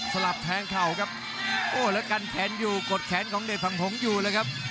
ลับแทงเข่าครับโอ้แล้วกันแขนอยู่กดแขนของเดชฝั่งหงษ์อยู่เลยครับ